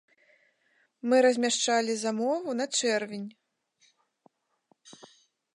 Мы размяшчалі замову на чэрвень.